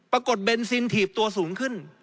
ปรากฏเบนซินถีบตัวสูงขึ้น